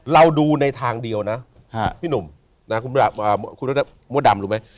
เราดูในทางเดียวนะพี่หนุ่มนะคุณมดดำรู้ไหม